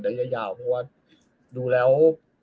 ก็ออกดูแล้ว